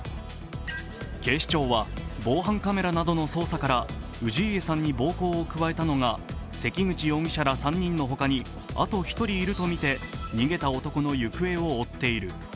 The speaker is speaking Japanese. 警視庁は、防犯カメラなどの捜査から氏家さんに暴行を加えたのが関口容疑者ら３人の他にあと１人いるとみて逃げた男の行方を追っている。